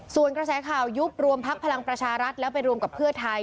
ส่วนกระแสข่าวยุบรวมพักพลังประชารัฐแล้วไปรวมกับเพื่อไทย